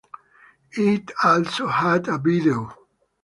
It also had a video.